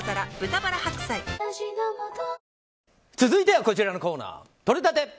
続いてはこちらのコーナーとれたて！